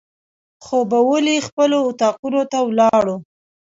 خوبولي خپلو اطاقونو ته ولاړو.